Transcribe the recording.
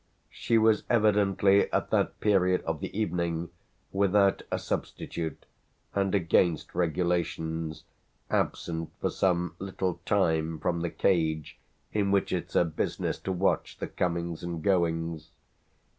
She was evidently at that period of the evening, without a substitute and, against regulations, absent for some little time from the cage in which it's her business to watch the comings and goings.